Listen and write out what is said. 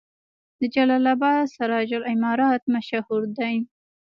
د جلال اباد سراج العمارت مشهور دی